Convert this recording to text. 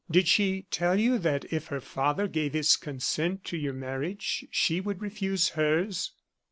Did she tell you that if her father gave his consent to your marriage, she would refuse hers?"